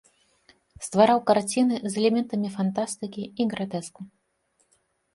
Ствараў карціны з элементамі фантастыкі і гратэску.